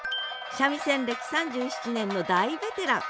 三味線歴３７年の大ベテラン。